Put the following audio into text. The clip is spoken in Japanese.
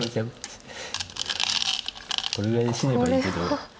これぐらいで死ねばいいけど。